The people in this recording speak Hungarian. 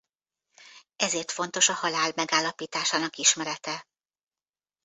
Ezért fontos a halál megállapításának ismerete.